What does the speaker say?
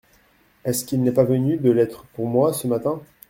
Est-ce qu’il n’est pas venu de lettre pour moi, ce matin ?